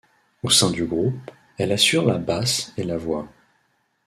Au sein du groupe, elle assure la basse et la voix.